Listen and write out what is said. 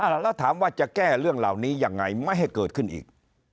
แล้วถามว่าจะแก้เรื่องเหล่านี้ยังไงไม่ให้เกิดขึ้นอีก